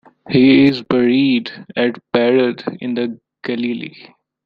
He is buried at Parod in the Galilee.